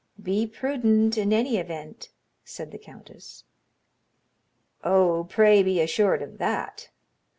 "Be prudent, in any event," said the countess. "Oh! pray be assured of that."